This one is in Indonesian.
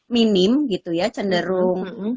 minim gitu ya cenderung